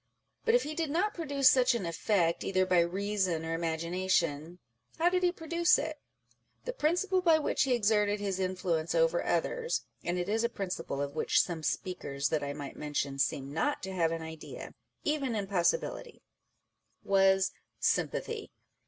But if he did not produce such an effect either by reason or imagination, how did he produce it ? The principle by which he exerted his influence over others (and it is a principle of which some speakers that I might mention seem not to have an idea, even in possi bility) was sympathy.